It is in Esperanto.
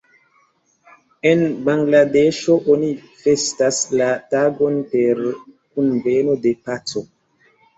En Bangladeŝo oni festas la tagon per Kunveno de Paco.